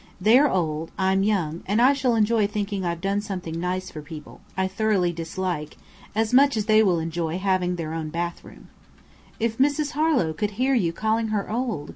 They are old; I'm young, and I shall enjoy thinking I've done something nice for people I thoroughly dislike, as much as they will enjoy having their own bathroom." "If Mrs. Harlow could hear you calling her old!"